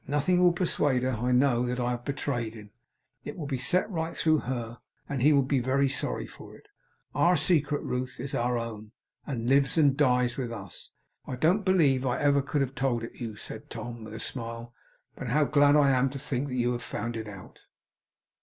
Nothing will persuade her, I know, that I have betrayed him. It will be set right through her, and he will be very sorry for it. Our secret, Ruth, is our own, and lives and dies with us. I don't believe I ever could have told it you,' said Tom, with a smile, 'but how glad I am to think you have found it out!